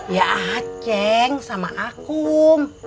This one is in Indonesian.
ya aceh sama akum